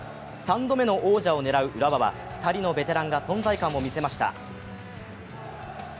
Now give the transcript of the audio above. ３度目の王者を狙う浦和は２人のベテランが存在感を見せました。